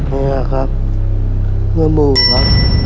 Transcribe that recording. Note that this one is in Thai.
ไหนล่ะครับเลือดหมูครับ